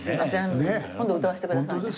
今度歌わせてくださいね。